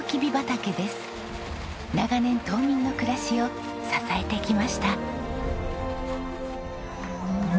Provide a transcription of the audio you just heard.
長年島民の暮らしを支えてきました。